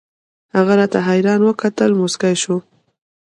هغه راته حيران وكتل موسكى سو.